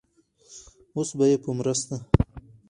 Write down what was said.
اوس به يې په مرسته